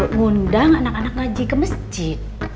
mengundang anak anak ngaji ke masjid